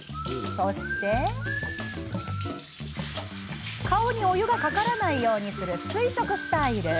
そして顔にお湯がかからないようにする垂直スタイル。